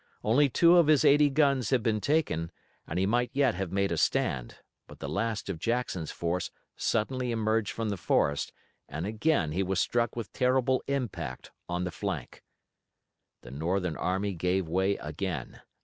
Only two of his eighty guns had been taken, and he might yet have made a stand, but the last of Jackson's force suddenly emerged from the forest and again he was struck with terrible impact on the flank. The Northern army gave way again.